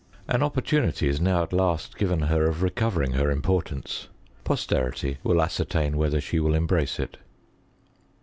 An opportunity is now at last given her of recovering her importance : posterity will ascer tain whether she wil lembrace it.